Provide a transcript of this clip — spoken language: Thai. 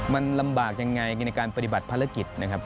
มันลำบากยังไงในการปฏิบัติภารกิจนะครับ